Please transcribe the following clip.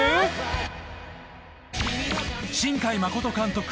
新海誠監督